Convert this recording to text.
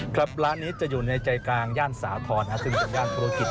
ครับร้านนี้จะอยู่ในใจกลางย่านสาธรณ์ซึ่งเป็นย่านธุรกิจ